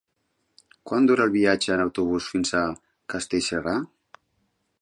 Quant dura el viatge en autobús fins a Castellserà?